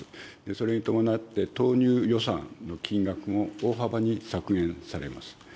それに伴って投入予算の金額も大幅に削減されます。